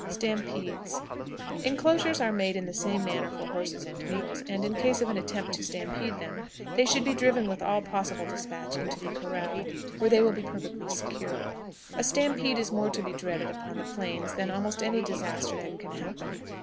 STAMPEDES. Inclosures are made in the same manner for horses and mules, and, in case of an attempt to stampede them, they should be driven with all possible dispatch into the corral, where they will be perfectly secure. A "stampede" is more to be dreaded upon the plains than almost any disaster that can happen.